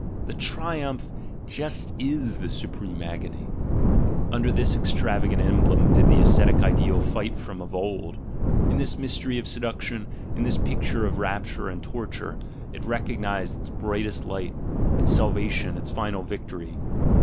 "The triumph just in the supreme agony": under this extravagant emblem did the ascetic ideal fight from of old; in this mystery of seduction, in this picture of rapture and torture, it recog nised its brightest light, its salvation, its final victory.